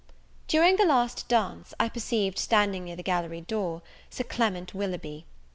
During the last dance, I perceived standing near the gallery door, Sir Clement Willoughby.